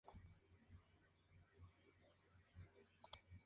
Fue un eximio orador de barricada en todo el país.